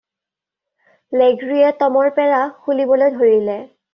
লেগ্ৰীয়ে টমৰ পেৰা খুলিবলৈ ধৰিলে।